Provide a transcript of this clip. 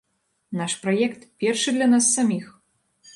Наш праект першы для нас саміх!